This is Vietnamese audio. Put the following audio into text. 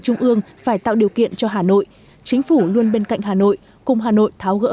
trung ương phải tạo điều kiện cho hà nội chính phủ luôn bên cạnh hà nội cùng hà nội tháo gỡ